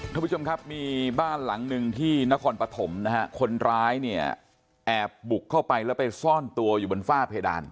ท่านผู้ชมครับมีบ้านหลังหนึ่งที่นครปฐมนะฮะคนร้ายเนี่ยแอบบุกเข้าไปแล้วไปซ่อนตัวอยู่บนฝ้าเพดาน